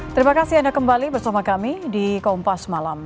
terima kasih anda kembali bersama kami di kompas malam